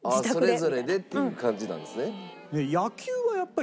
それぞれでって感じなんですね。